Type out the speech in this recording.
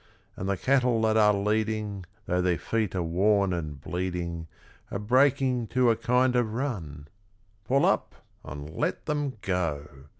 And the cattle that are leading, Though their feet are worn and bleeding, Are breaking to a kind of run pull up, and let them go!